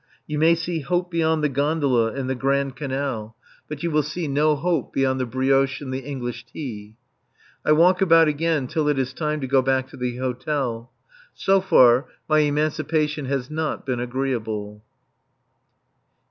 You may see hope beyond the gondola and the Grand Canal. But you will see no hope beyond the brioche and the English tea. I walk about again till it is time to go back to the Hotel. So far, my emancipation has not been agreeable.